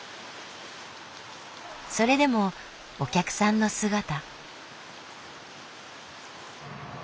それでもお客さんの姿。